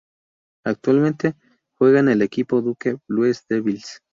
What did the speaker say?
Actualmente juega en el equipo Duke Blue Devils.